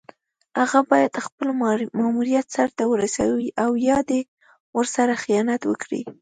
هغه باید خپل ماموریت سر ته ورسوي او یا دې ورسره خیانت وکړي.